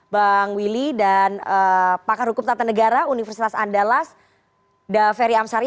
bang willy dan pakar hukum tata negara universitas andalas daveri amsari